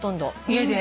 家で？